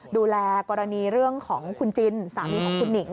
ดูแลกรณีเรื่องของคุณจินสามีของคุณหนิง